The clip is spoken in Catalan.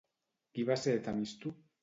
Qui va ser Temisto?